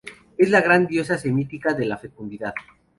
Es la gran diosa semítica de la fecundidad.